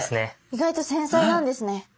意外と繊細なんですね。